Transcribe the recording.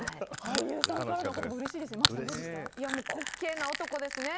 俳優さんからの言葉うれしいですね。